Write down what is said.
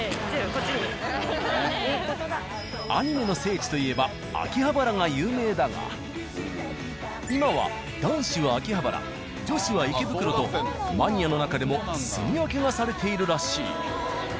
アニメの聖地といえば秋葉原が有名だが今は男子は秋葉原女子は池袋とマニアの中でもすみ分けがされているらしい。